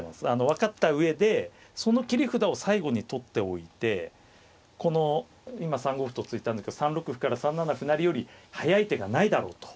分かった上でその切り札を最後に取っておいてこの今３五歩と突いたんですけど３六歩から３七歩成より速い手がないだろうと。